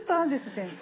先生。